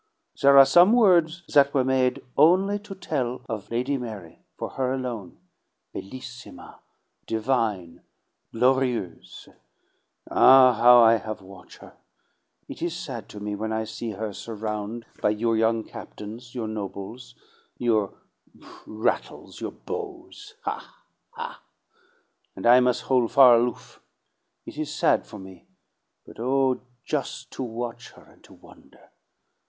There are some words that were made only to tell of Lady Mary, for her alone bellissima, divine, glorieuse! Ah, how I have watch' her! It is sad to me when I see her surround' by your yo'ng captains, your nobles, your rattles, your beaux ha, ha! and I mus' hol' far aloof. It is sad for me but oh, jus' to watch her and to wonder!